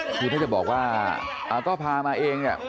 มีวันนี้จะบอกว่าก็พามาเอง